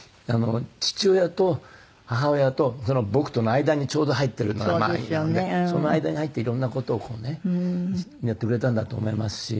父親と母親と僕との間にちょうど入っているのが兄なんでその間に入って色んな事をこうねやってくれたんだと思いますし。